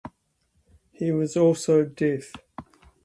He was also deaf.